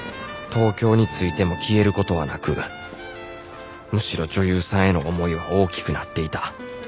東京に着いても消えることはなくむしろ女優さんへの思いは大きくなっていた。